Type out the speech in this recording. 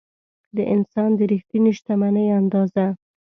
د انسان د رښتینې شتمنۍ اندازه.